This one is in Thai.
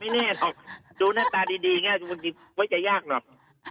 ไม่แน่หรอกดูหน้าตาดีไงมันไว้ใจยากหน่อย